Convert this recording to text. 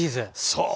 そう！